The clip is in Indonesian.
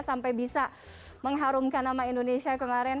sampai bisa mengharumkan nama indonesia kemarin